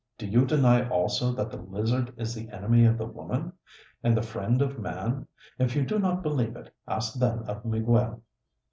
Do you deny also that the lizard is the enemy of the woman, and the friend of man? If you do not believe it, ask then of Miguel."